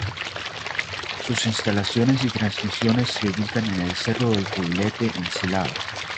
Sus instalaciones y transmisiones se ubican en el Cerro del Cubilete en Silao.